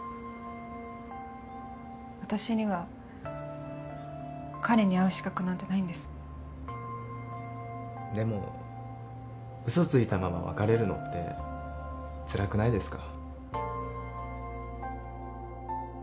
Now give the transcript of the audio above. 私には彼に会う資格なんてないんですでも嘘ついたまま別れるのってつらくないですか？